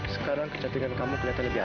sekarang dia tinggal dimana ya